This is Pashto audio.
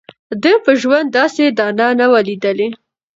ده په ژوند داسي دانه نه وه لیدلې